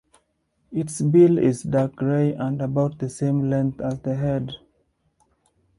Its bill is dark grey and about the same length as the head.